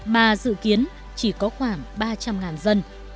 mà dự kiến chỉ có khoảng ba trăm linh dân